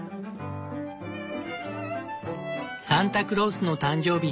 サンタクロースの誕生日。